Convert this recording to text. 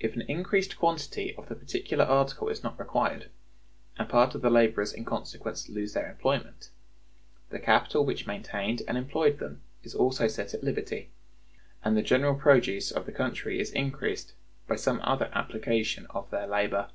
If an increased quantity of the particular article is not required, and part of the laborers in consequence lose their employment, the capital which maintained and employed them is also set at liberty, and the general produce of the country is increased by some other application of their labor.